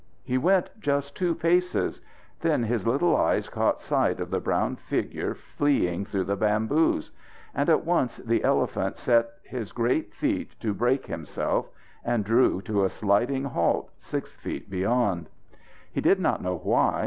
He went just two paces. Then his little eyes caught sight of the brown figure fleeing through the bamboos. And at once the elephant set his great feet to brake himself, and drew to a sliding halt six feet beyond. He did not know why.